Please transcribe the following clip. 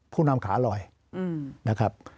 ผู้นำขาลอยนะครับ